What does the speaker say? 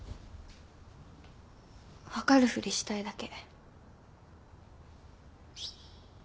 分かる振りしたいだけ。